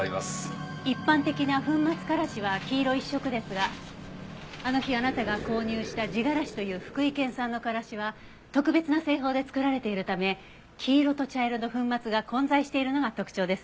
一般的な粉末カラシは黄色一色ですがあの日あなたが購入した地がらしという福井県産のカラシは特別な製法で作られているため黄色と茶色の粉末が混在しているのが特徴ですよね。